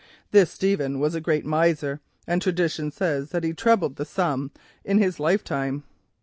This Stephen was a great miser, and tradition says that he trebled the sum in his lifetime.